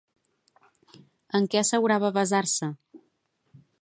En què assegurava basar-se?